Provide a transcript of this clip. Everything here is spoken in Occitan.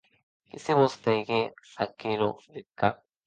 Que se vos trèigue aquerò deth cap.